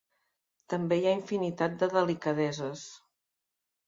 També hi ha infinitat de delicadeses.